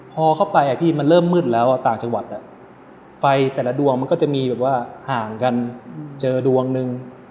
พอเข้าไปพี่มันเริ่มมืดแล้วต่างจังหวัดไฟแต่ละดวงมันก็จะมีแบบว่าห่างกันเจอดวงหนึ่ง